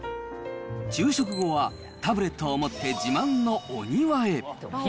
昼食後はタブレットを持って自慢のお庭へ。